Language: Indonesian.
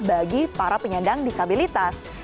bagi para penyandang disabilitas